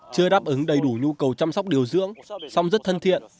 chưa đáp ứng đầy đủ nhu cầu chăm sóc điều dưỡng song rất thân thiện